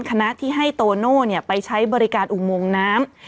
คณะที่ให้โตโน่ไปใช้บริการอุโมงน้ำ